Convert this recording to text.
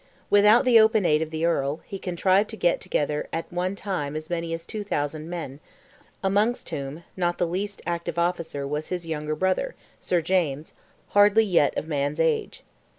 Without the open aid of the Earl, he contrived to get together at one time as many as 2,000 men, amongst whom not the least active officer was his younger brother, Sir James, hardly yet of man's age.